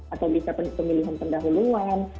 atau bisa pemilihan pendahuluan